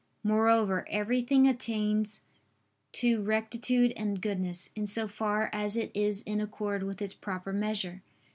Moreover, everything attains to rectitude and goodness, in so far as it is in accord with its proper measure.